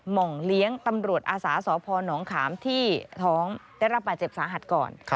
หมองเลี้ยงตำรวจอาสาสพนขามที่ท้องได้รับบาดเจ็บสาหัสก่อน